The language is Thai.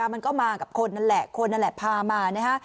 มันก็มากับคนนั่นแหละคนนั่นแหละพามานะฮะ